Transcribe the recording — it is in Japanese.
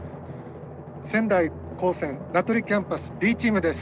仙台高専名取キャンパスＢチームです。